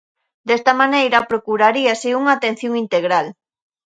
Desta maneira, procuraríase unha atención integral.